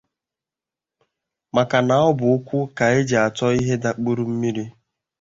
maka na ọ bụ ụkwụ ka e ji achọ ihe dakpuru mmiri